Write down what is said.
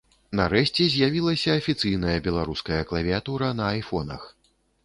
Нарэшце з'явілася афіцыйная беларуская клавіятура на айфонах.